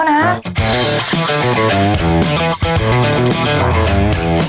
ใช่ครับ